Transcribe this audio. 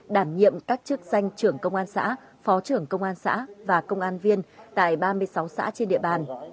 đảm nhiệm các chức danh trưởng công an xã phó trưởng công an xã và công an viên tại ba mươi sáu xã trên địa bàn